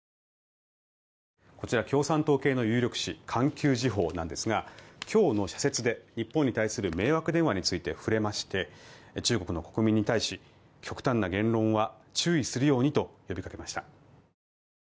こちら共産党系の有力紙環球時報なんですが今日の社説で日本に対する迷惑電話について触れまして中国の国民に対し極端な言論は注意するよう呼びかけました。